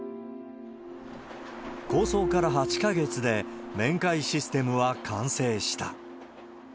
構想から８か月で、面会システムは完成した。